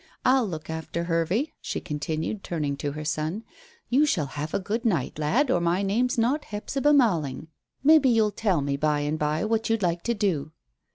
I'll look after Hervey," she continued, turning to her son. "You shall have a good night, lad, or my name's not Hephzibah Malling. Maybe you'll tell me by and by what you'd like to do."